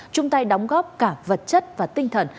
chung tay đóng góp cả vật chất và tinh thần